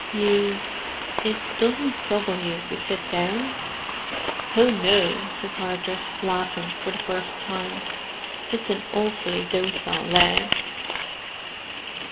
"You—it doesn't trouble you to sit down?" "Oh, no!" said Hardress, laughing for the first time. "It's an awfully docile leg!"